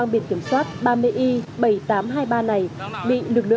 ông viết bảy triệu hay mấy triệu nhỉ